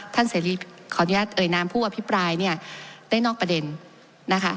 เสรีขออนุญาตเอ่ยนามผู้อภิปรายเนี่ยได้นอกประเด็นนะคะ